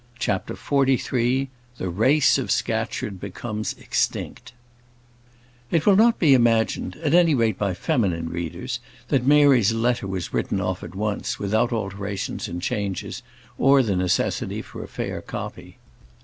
CHAPTER XLIII The Race of Scatcherd Becomes Extinct It will not be imagined, at any rate by feminine readers, that Mary's letter was written off at once, without alterations and changes, or the necessity for a fair copy.